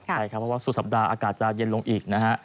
ใช่ครับเพราะว่าสุดสัปดาห์อากาศจะเย็นลงอีกนะฮะ